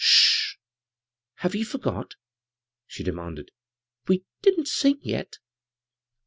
" Sh hh ! Have ye forgot ?" she de manded. " We didn't sing yet."